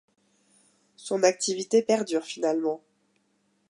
Son activité perdure finalement.